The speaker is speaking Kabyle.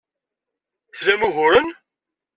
Tlam uguren?